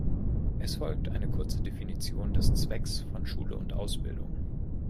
Es folgt eine kurze Definition des Zwecks von Schule und Ausbildung.